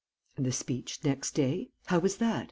"And the speech next day? How was that?